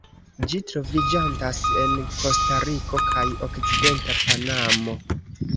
Ĝi troviĝantas en Kostariko kaj okcidenta Panamo.